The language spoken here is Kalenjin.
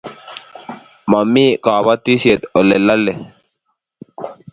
Momii kabotishe ole lolei.